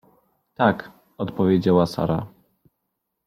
— Tak — odpowiedziała Sara.